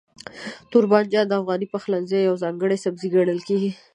توربانجان د افغاني پخلنځي یو ځانګړی سبزی ګڼل کېږي.